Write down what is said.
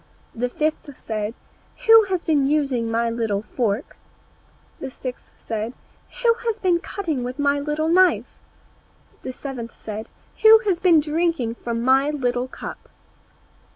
The fifth said, "Who has been using my little fork?" The sixth said, "Who has been cutting with my little knife?" The seventh said, "Who has been drinking from my little cup?"